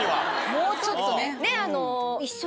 もうちょっとね。